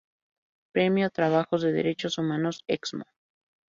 Premio a trabajos de Derechos Humanos “Excmo.